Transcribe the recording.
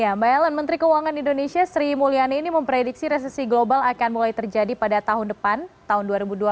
ya mbak ellen menteri keuangan indonesia sri mulyani ini memprediksi resesi global akan mulai terjadi pada tahun depan tahun dua ribu dua puluh